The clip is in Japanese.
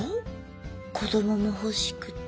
子どももほしくて。